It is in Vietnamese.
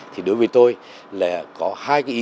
thì đối với tôi là có hai ý